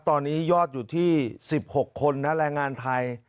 ตอนนี้ยอดอยู่ที่๑๖คนนะแรงงานไทย